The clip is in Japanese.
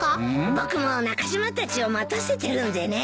僕も中島たちを待たせてるんでね。